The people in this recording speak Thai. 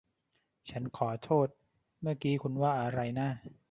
ฉันขอโทษ เมื่อกี้คุณว่าอะไรนะ